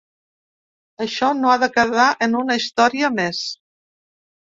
Això no ha de quedar en una historia més.